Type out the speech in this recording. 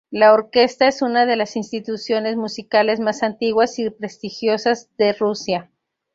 La orquesta es una de las instituciones musicales más antiguas y prestigiosas de Rusia.